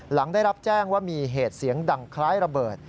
หลังได้รับแจ้งว่ามีเหตุเสียงดังคล้ายระเบิด